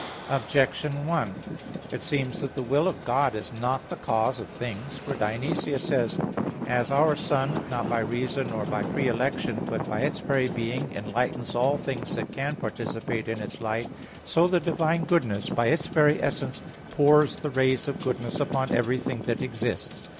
Objection 1: It seems that the will of God is not the cause of things. For Dionysius says (Div. Nom. iv, 1): "As our sun, not by reason nor by pre election, but by its very being, enlightens all things that can participate in its light, so the divine good by its very essence pours the rays of goodness upon everything that exists."